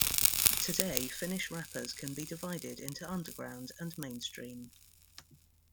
Today Finnish rappers can be divided into underground and mainstream.